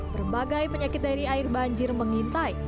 berbagai penyakit dari air banjir mengintai